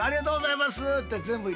ありがとうございます！